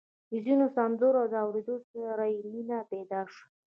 د ځينو سندرو له اورېدو سره يې مينه پيدا شوه.